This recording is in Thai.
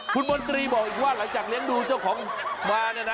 คุณมนตรีบอกอีกว่าหลังจากเลี้ยงดูเจ้าของมาเนี่ยนะ